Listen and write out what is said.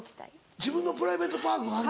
自分のプライベートパークがあんの？